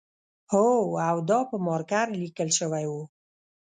هو او دا په مارکر لیکل شوی و